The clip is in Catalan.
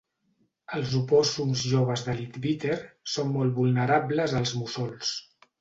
Els opòssums joves de Leadbeater són molt vulnerables als mussols.